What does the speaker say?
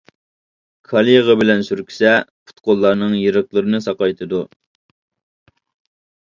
كالا يېغى بىلەن سۈركىسە پۇت-قوللارنىڭ يېرىقلىرىنى ساقايتىدۇ.